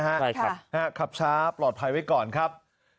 ใช่ครับขับช้าปลอดภัยไว้ก่อนครับ